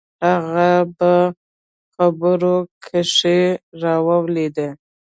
هغه په خبرو کښې راولويد.